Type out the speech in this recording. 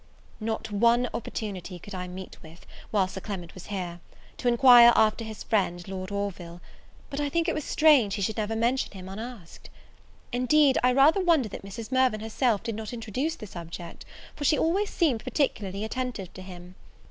Not one opportunity could I meet with, while Sir Clement was here, to enquire after his friend Lord Orville: but I think it was strange he should never mention him unasked. Indeed, I rather wonder that Mrs. Mirvan herself did not introduce the subject, for she always seemed particularly attentive to him.